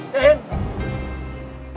ah tidak berhasab mah